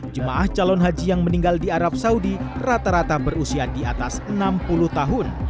jemaah calon haji yang meninggal di arab saudi rata rata berusia di atas enam puluh tahun